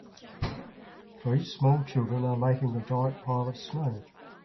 Three small children are making a giant pile of snow.